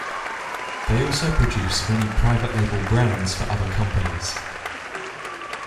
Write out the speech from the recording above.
They also produce many private label brands for other companies.